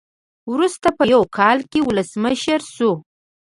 وروسته په یو کال کې ولسمشر شو.